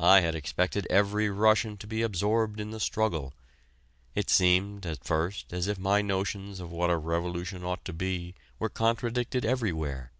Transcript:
I had expected every Russian to be absorbed in the struggle. It seemed at first as if my notions of what a revolution ought to be were contradicted everywhere.